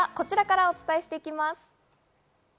まずは、こちらからお伝えしていきます。